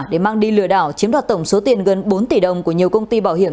để mang đi lừa đảo chiếm đoạt tổng số tiền gần bốn tỷ đồng của nhiều công ty bảo hiểm